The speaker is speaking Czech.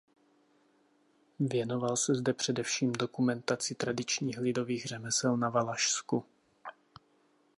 Věnoval se zde především dokumentaci tradičních lidových řemesel na Valašsku.